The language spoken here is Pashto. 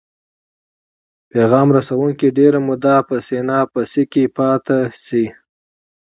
پیغام رسوونکي ډیره موده په سیناپسي فضا کې پاتې شي.